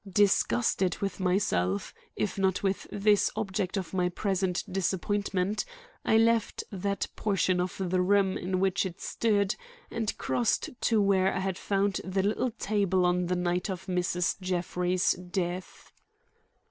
Disgusted with myself, if not with this object of my present disappointment, I left that portion of the room in which it stood and crossed to where I had found the little table on the night of Mrs. Jeffrey's death.